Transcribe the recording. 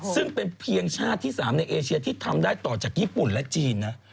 ซึ่งเป็นเพียงชาติที่๓ในเอเชียที่ทำได้ต่อจากญี่ปุ่นและจีนนะ